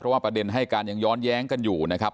เพราะว่าประเด็นให้การย้อนแย้งกันอยู่นะครับ